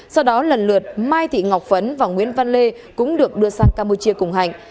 sau đó lần lượt mai thị ngọc phấn và nguyễn văn lê cũng được đưa sang campuchia cùng hạnh